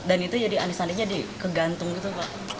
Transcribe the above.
dan itu jadi anis anisnya dikegantung gitu pak